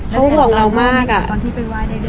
เขาห่วงเรามากอะ